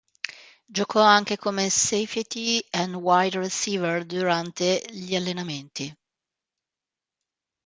Giocò anche come safety e wide receiver durante gli allenamenti.